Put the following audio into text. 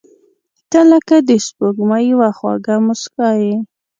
• ته لکه د سپوږمۍ یوه خواږه موسکا یې.